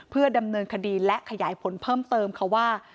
เพื่อดำเนินคดีและขยายผลเพิ่มเติมค่ะว่า